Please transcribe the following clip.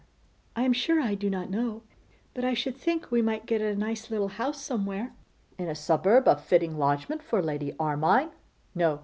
'I am sure I do not know; but I should think we might get a nice little house somewhere.' 'In a suburb! a fitting lodgment for Lady Armine. No!